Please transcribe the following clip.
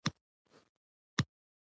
مېلې د خلکو د کلتوري پېژندني وسیله ده.